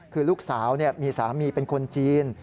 คือลูกสาวมีสามีเป็นคนจีน